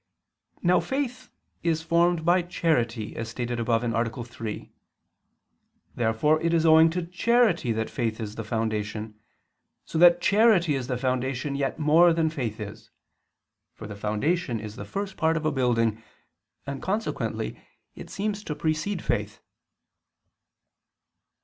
Now faith is formed by charity, as stated above (A. 3). Therefore it is owing to charity that faith is the foundation: so that charity is the foundation yet more than faith is (for the foundation is the first part of a building) and consequently it seems to precede faith.